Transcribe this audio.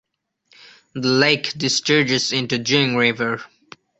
The lake discharges into Jing River.